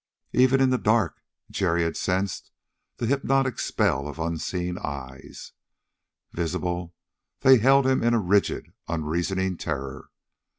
Even in the dark Jerry had sensed the hypnotic spell of unseen eyes. Visible, they held him in a rigid, unreasoning terror.